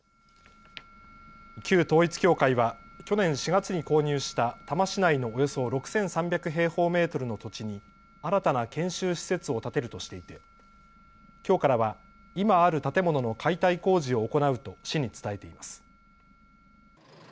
旧統一教会は去年４月に購入した多摩市内のおよそ６３００平方メートルの土地に新たな研修施設を建てるとしていてきょうからは今ある建物の解体工事を行うと市に伝えています。